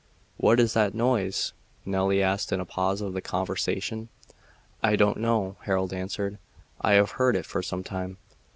"What is that noise?" Nelly asked in a pause of the conversation. "I don't know," Harold answered. "I have heard it for some time."